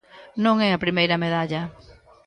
Non é a primeira medalla.